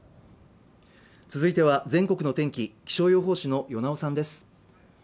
続いては全国の天気、気象予報士の與猶さんです。